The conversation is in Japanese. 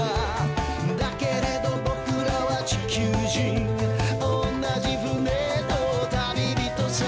「だけれど僕らは地球人」「同じフネの旅人さ」